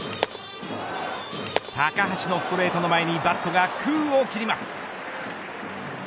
高橋のストレートの前にバットが空を切ります。